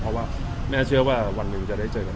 เพราะว่าเชื่อว่าวันนึงจะได้เจอกันอีก